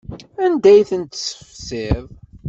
Anda ay ten-tessefsiḍ?